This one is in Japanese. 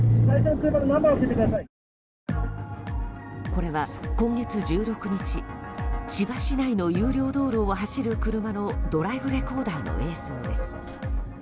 これは今月１６日千葉市内の有料道路を走る車のドライブレコーダーの映像です。